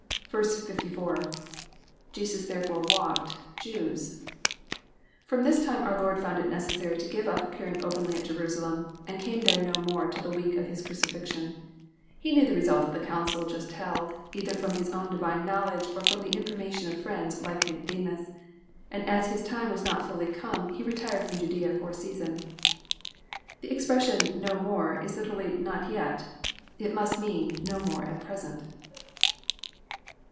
54. — I Jesus therefore walked.^.Jews.'} From this time our Lord found it necessary to give up appearing openly at Jerusalem, and came there no more till the week of his crucifixion. He knew the result of the council Just held, either from His own Divine knowledge, or from the information of friends like Nicodemus; and as His time was not flilly come, he retired from Judflea for a season. The expression, <* no more," is literally not yet." It must mean '' no more at present."